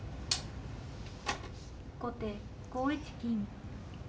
後手５一金。